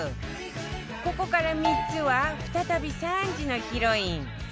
ここから３つは再び３時のヒロイン